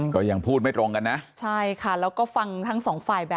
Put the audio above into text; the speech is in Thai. ก็ยังพูดไม่ตรงกันนะ